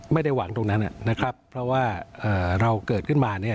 ไม่ได้หวังตรงนั้นนะครับเพราะว่าเราเกิดขึ้นมาเนี่ย